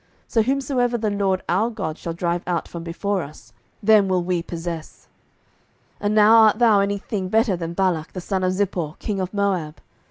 So whomsoever the LORD our God shall drive out from before us, them will we possess. 07:011:025 And now art thou any thing better than Balak the son of Zippor, king of Moab?